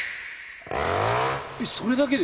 えっそれだけで？